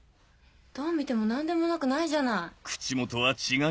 どう見ても何でもなくないじゃない。